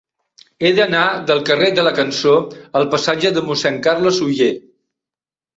He d'anar del carrer de la Cançó al passatge de Mossèn Carles Oller.